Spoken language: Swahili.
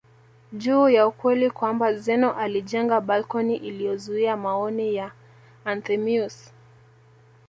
juu ya ukweli kwamba Zeno alijenga balcony iliyozuia maoni ya Anthemius